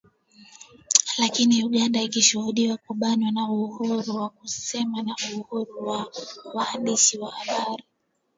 lakini Uganda ikishuhudia kubanwa kwa uhuru wa kusema na uhuru wa waandishi habari